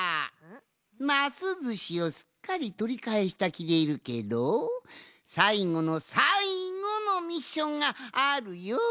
ますずしをすっかりとりかえしたきでいるけどさいごのさいごのミッションがあるよん。